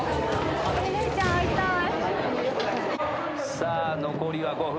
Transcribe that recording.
さあ残りは５分。